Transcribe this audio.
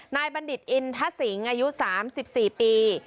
บัณฑิตอินทสิงอายุ๓๔ปี